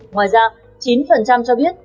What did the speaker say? ngoài ra chín cho biết